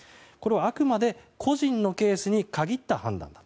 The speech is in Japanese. あくまで個人のケースに限った判断だ。